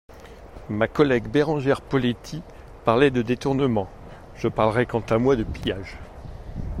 Ma collègue Berengère Poletti parlait de détournement, je parlerai quant à moi de pillage.